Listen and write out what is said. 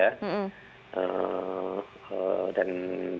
dan diselesaikan dengan secara sengaja